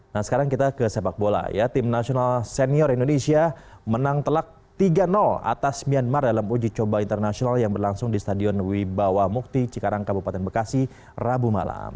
nah sekarang kita ke sepak bola ya tim nasional senior indonesia menang telak tiga atas myanmar dalam uji coba internasional yang berlangsung di stadion wibawa mukti cikarang kabupaten bekasi rabu malam